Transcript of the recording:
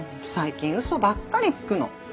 最近嘘ばっかりつくの。